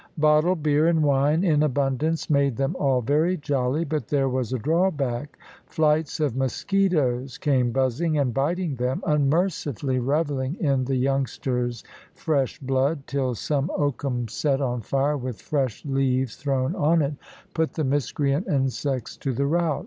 Bottled beer and wine in abundance made them all very jolly, but there was a drawback. Flights of mosquitoes came buzzing and biting them, unmercifully revelling in the youngster's fresh blood, till some oakum set on fire, with fresh leaves thrown on it, put the miscreant insects to the rout.